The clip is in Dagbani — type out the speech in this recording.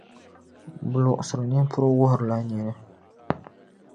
Bɛ luɣisiri nimpuri n-wuhirila nini.